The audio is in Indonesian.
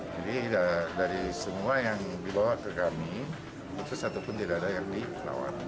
jadi dari semua yang dibawa ke kami satu pun tidak ada yang dikeluar